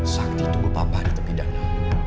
sakti tunggu papa di tepi dana